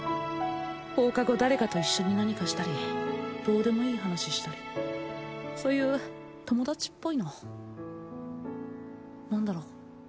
放課後誰かと一緒に何かしたりどうでもいい話したりそういう友達っぽいの何だろう